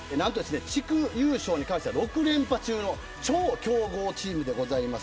地区優勝に関しては６連覇中の超強豪チームです。